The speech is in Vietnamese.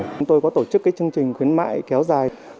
chúng tôi có tổ chức chương trình khuyến mại kéo dài